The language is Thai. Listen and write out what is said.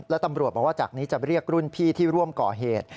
และตำรวจบอกว่าจากนี้จะเรียกรุ่นพี่ที่ร่วมก่อเหตุ